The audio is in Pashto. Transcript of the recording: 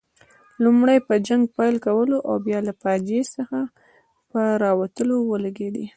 لومړی په جنګ پیل کولو او بیا له فاجعې څخه په راوتلو ولګېدې.